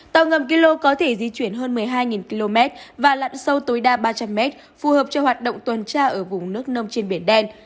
tàu ngầm kilo có thể di chuyển hơn một mươi hai km và lặn sâu tối đa ba trăm linh m phù hợp cho hoạt động tuần tra ở vùng nước nông trên biển đen